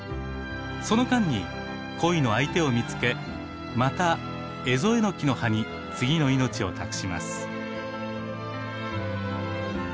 その間に恋の相手を見つけまたエゾエノキの葉に次の命を託します。